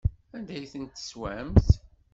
Anda ay tent-teswamt?